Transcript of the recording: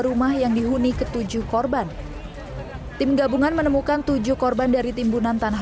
rumah yang dihuni ketujuh korban tim gabungan menemukan tujuh korban dari timbunan tanah